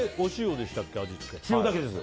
塩だけです。